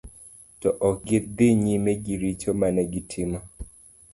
To ok gi dhi nyime gi richo mane gitimo.